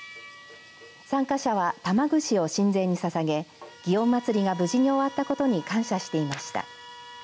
参加者は玉串を神前にささげ祇園祭が無事に終わったことに感謝していました。